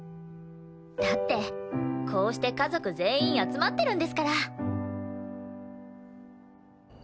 だってこうして家族全員集まってるんですから！